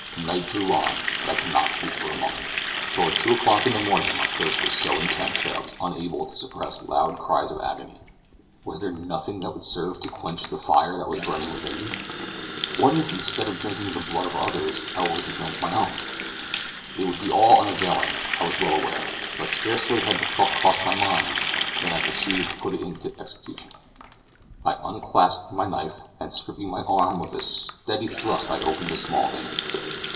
Night drew on, but I could not sleep for a moment. Toward two o'clock in the morning my thirst was so intense that I was unable to suppress loud cries of agony. Was there nothing that would serve to quench the fire that was burning within me? What if, instead of drinking the blood of others, I were to drink my own? It would be all unavailing, I was well aware; but scarcely had the thought crossed my mind, than I proceeded to put it into execution. I unclasped my knife, and, stripping my arm, with a steady thrust I opened a small vein.